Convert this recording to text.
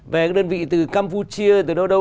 về đơn vị từ campuchia từ đâu đâu